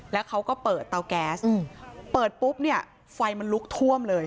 แล้วเขาก็เปิดเตาแก๊สเปิดปุ๊บเนี่ยไฟมันลุกท่วมเลย